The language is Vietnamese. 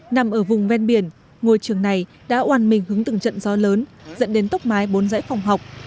nằm ở vùng ven biển ngôi trường này đã oàn mình hướng từng trận gió lớn dẫn đến tốc mái bốn giải phòng học